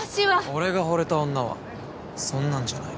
俺がほれた女はそんなんじゃない。